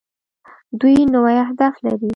دوی نوي اهداف لري.